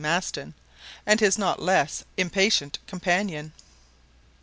Maston and his not less impatient companion.